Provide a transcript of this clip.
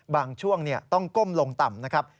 บางช่วงต้องก้มลงต่ำนะครับ